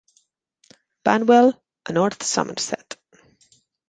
Banwell a North Somerset.